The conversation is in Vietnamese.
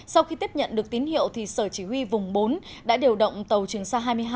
sau khi tiếp nhận được tín hiệu sở chỉ huy vùng bốn đã điều động tàu trường sa hai mươi hai